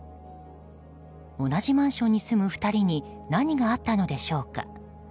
同じマンションに住む２人に何があったのでしょうか。